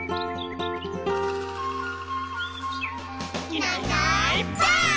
「いないいないばあっ！」